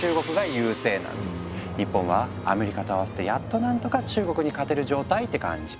日本はアメリカと合わせてやっと何とか中国に勝てる状態って感じ。